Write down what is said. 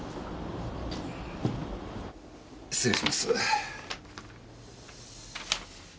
失礼します。